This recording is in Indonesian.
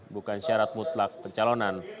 bukan syarat mutlak pencalonan